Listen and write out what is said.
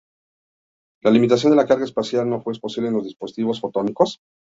La limitación de la carga espacial no es posible en los dispositivos fotónicos.